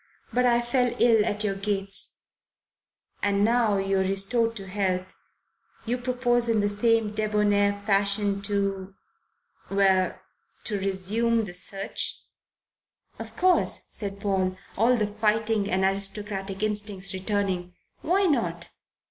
But I fell ill at your gates." "And now that you're restored to health, you propose in the same debonair fashion to well to resume the search?" "Of course," said Paul, all the fighting and aristocratic instincts returning. "Why not?"